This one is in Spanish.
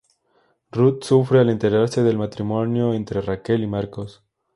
Ruth sufre al enterarse del matrimonio entre Raquel y Marcos.